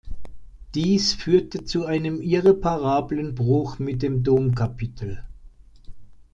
Dies führte zu einem irreparablen Bruch mit dem Domkapitel.